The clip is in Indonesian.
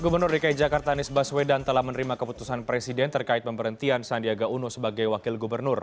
gubernur dki jakarta anies baswedan telah menerima keputusan presiden terkait pemberhentian sandiaga uno sebagai wakil gubernur